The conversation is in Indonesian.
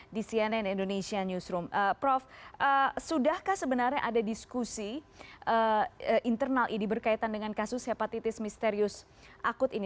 di cnn indonesia newsroom prof sudahkah sebenarnya ada diskusi internal idi berkaitan dengan kasus hepatitis misterius akut ini